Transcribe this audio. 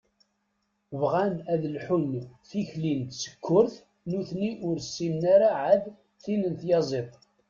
Bɣan ad lḥun tikli n tsekkurt, nutni ur ssinen ara ɛad tin n tyaziḍt.